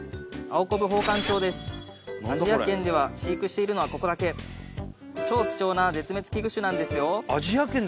アジア圏では飼育しているのはここだけ超貴重な絶滅危惧種なんですよ